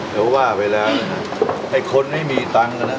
แต่ว่าไปแล้วไอ้คนไม่มีตังค์นะ